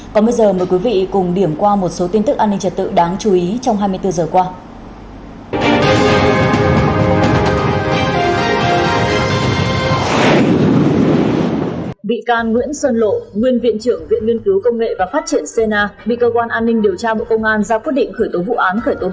còn bây giờ mời quý vị cùng điểm qua một số tin tức an ninh trật tự đáng chú ý trong hai mươi bốn giờ qua